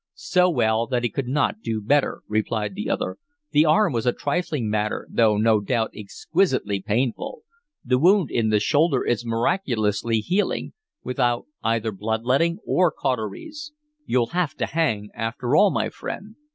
"So well that he could n't do better," replied the other. "The arm was a trifling matter, though no doubt exquisitely painful. The wound in the shoulder is miraculously healing, without either blood letting or cauteries. You'll have to hang after all, my friend."